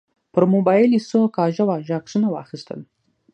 پر موبایل یې څو کاږه واږه عکسونه واخیستل.